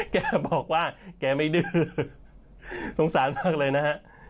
แกบอกว่าแกไม่ดื้อสงสารมากเลยนะฮะ